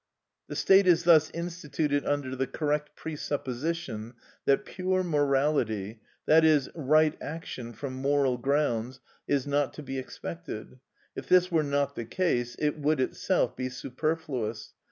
The state is thus instituted under the correct presupposition that pure morality, i.e., right action from moral grounds, is not to be expected; if this were not the case, it would itself be superfluous.